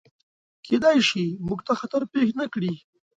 کیدای شي، موږ ته خطر پیښ نکړي.